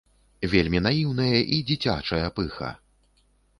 Вельмі наіўная і дзіцячая пыха.